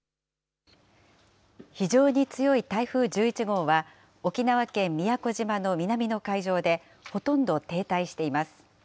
非常に強い台風１１号は、沖縄県宮古島の南の海上でほとんど停滞しています。